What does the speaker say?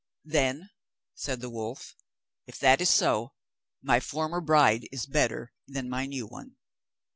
'Then,' said the wolf, 'if that is so, my former bride is better than my new one.